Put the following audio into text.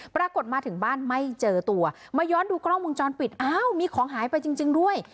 ปรากฏมาถึงบ้านไม่เจอตัวมาย้อนดูกล้องวงจรปิดอ้าวมีของหายไปจริงด้วย